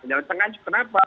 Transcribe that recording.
jalan tengah itu kenapa